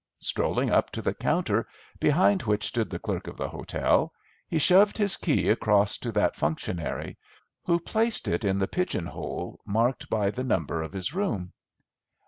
Strolling up to the counter behind which stood the clerk of the hotel, he shoved his key across to that functionary, who placed it in the pigeon hole marked by the number of his room.